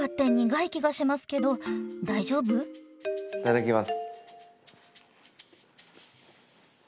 いただきます。